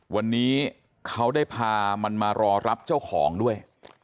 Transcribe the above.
วันนี้เขาได้พามันมารอรับเจ้าของด้วย